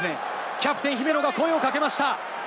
キャプテン・姫野が声をかけました。